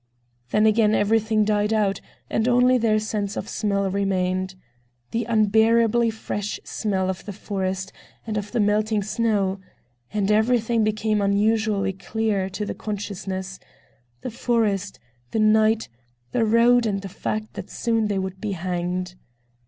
Then again everything died out, and only their sense of smell remained: the unbearably fresh smell of the forest and of the melting snow. And everything became unusually clear to the consciousness: the forest, the night, the road and the fact that soon they would be hanged.